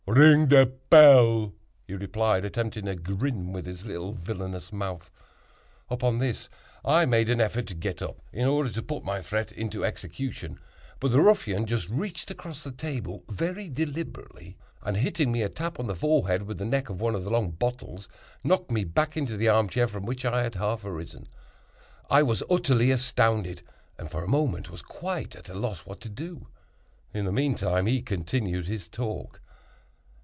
"Ring de pell," he replied, attempting a grin with his little villanous mouth. Upon this I made an effort to get up, in order to put my threat into execution; but the ruffian just reached across the table very deliberately, and hitting me a tap on the forehead with the neck of one of the long bottles, knocked me back into the arm chair from which I had half arisen. I was utterly astounded; and, for a moment, was quite at a loss what to do. In the meantime, he continued his talk.